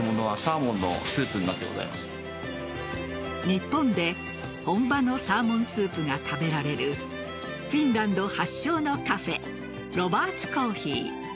日本で本場のサーモンスープが食べられるフィンランド発祥のカフェロバーツコーヒー。